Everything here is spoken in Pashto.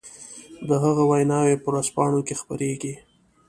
د هغو ويناوې په ورځپانو کې خپرېږي.